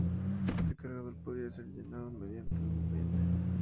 El cargador podía ser llenado mediante un peine.